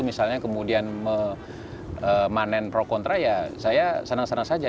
misalnya kemudian memanen pro kontra ya saya senang senang saja